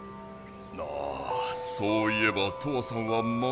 ああそういえばトアさんはまだ。